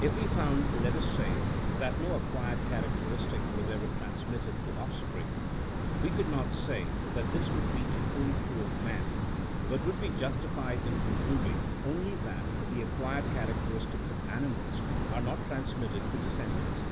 If we found, let us say, that no acquired characteristic was ever transmitted to offspring, we could not say that this would be equally true of man, but would be justified in concluding only that the acquired characteris tics of animals are not transmitted to descend ants.